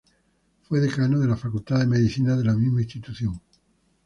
Fue decano de la Facultad de Medicina de la misma institución.